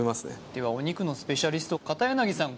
ではお肉のスペシャリスト片柳さん